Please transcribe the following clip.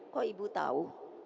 kok ibu tahu